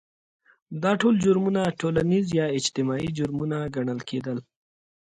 دا ټول جرمونه ټولنیز یا اجتماعي جرمونه ګڼل کېدل.